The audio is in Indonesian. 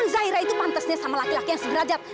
non zaira itu pantesnya sama laki laki yang sederajat